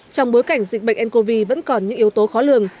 trong bối cảnh dịch bệnh ncov vẫn còn những yếu tố khó lường